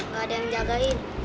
gak ada yang jagain